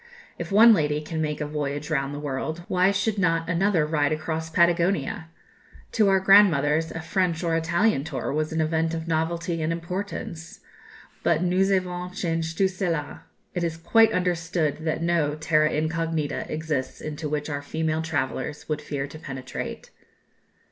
If one lady can make a voyage round the world, why should not another ride across Patagonia? To our grandmothers a French or Italian tour was an event of novelty and importance; but nous avons changé tout cela. It is quite understood that no "terra incognita" exists into which our female travellers would fear to penetrate.